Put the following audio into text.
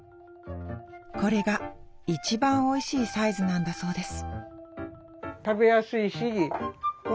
これが一番おいしいサイズなんだそうです